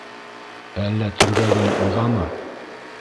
Әллә төргәгең уғамы?